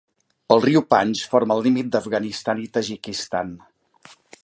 El riu Panj forma el límit de Afganistan i Tajikistan.